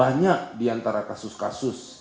saya tetap berhutang sond canggih